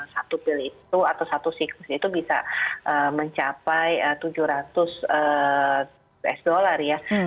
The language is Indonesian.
satu pil itu atau satu siklus itu bisa mencapai tujuh ratus usd ya